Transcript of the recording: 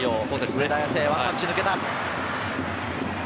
上田、ワンタッチ抜けた。